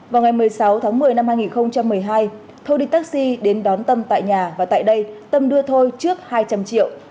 vào ngày một mươi sáu tháng một mươi năm hai nghìn một mươi hai thu đi taxi đến đón tâm tại nhà và tại đây tâm đưa thôi trước hai trăm linh triệu